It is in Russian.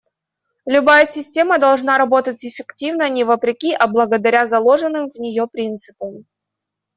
Любая система должна работать эффективно не вопреки, а благодаря заложенным в нее принципам.